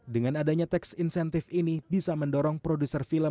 dengan adanya tax incentive ini bisa mendorong produser film